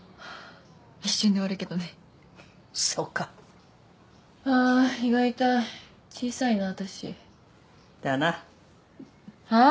一瞬で終わるけどねふっそうかああー胃が痛い小さいな私だなはあ？